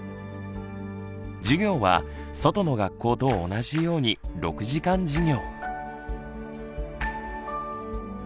授業は外の学校と同じように６時間授業。